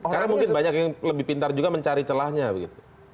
karena mungkin banyak yang lebih pintar juga mencari celahnya begitu